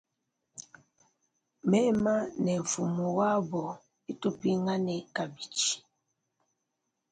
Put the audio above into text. Mema ni mfumu wabu netupingane kabidi.